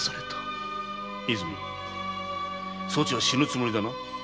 そちは死ぬつもりだな。